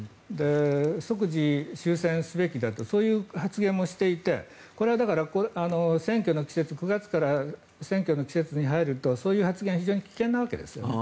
即時終戦すべきだとそういう発言もしていてこれはだから９月から選挙の季節に入るとそういう発言は非常に危険なわけですね。